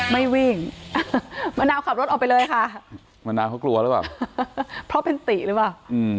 ไม่วิ่งมะนาวขับรถออกไปเลยค่ะเพราะเป็นติหรือเปล่า